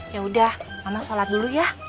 yaudah mama sholat dulu ya